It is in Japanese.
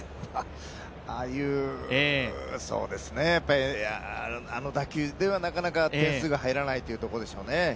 ああいうあの打球ではなかなか点数が入らないというところでしょうね。